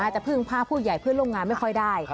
จะพึ่งพาผู้ใหญ่เพื่อนร่วมงานไม่ค่อยได้